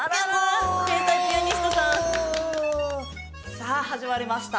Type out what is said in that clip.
さあ、始まりました。